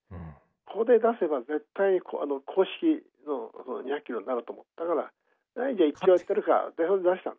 ここで出せば絶対公式の２００キロになると思ったから一丁やってやるかってそんで出したの。